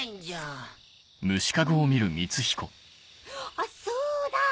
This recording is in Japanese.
あっそうだ！